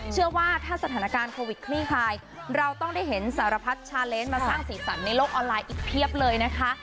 เชื่อว่าถ้าสถานการณ์โควิดคลี่คลายเราต้องได้เห็นสารพัดชาเลนมาสร้างสีสันในโลกออนไลน์อีกเพียบเลยนะคะ